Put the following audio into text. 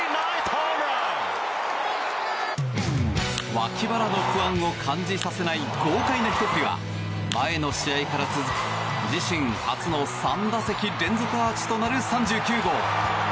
わき腹の不安を感じさせない豪快なひと振りは前の試合から自身初３打席連続アーチとなる３９号。